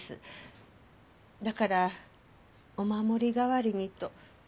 だからお守り代わりにと。